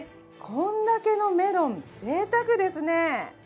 こんだけのメロン、ぜいたくですね。